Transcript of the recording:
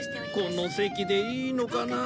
この席でいいのかなあ。